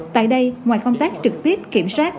tại đây ngoài công tác trực tiếp kiểm soát